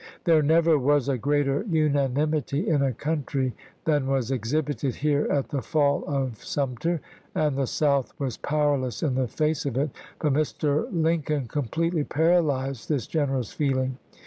There never was a greater unanimity in a country than was exhibited here at the fall of Sumter, and the South was powerless in the face of it; but Mr. Lincoln completely paralyzed this generous feeling.